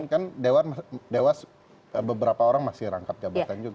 kan dewas beberapa orang masih rangkap jabatan juga